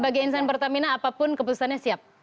bagi insan pertamina apapun keputusannya siap